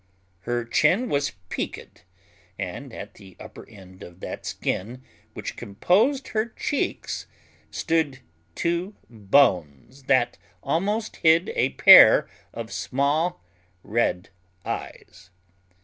Her chin was peaked; and at the upper end of that skin which composed her cheeks, stood two bones, that almost hid a pair of small red eyes.